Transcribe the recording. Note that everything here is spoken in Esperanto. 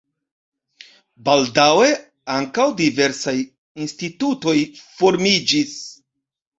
Baldaŭe ankaŭ diversaj institutoj formiĝis.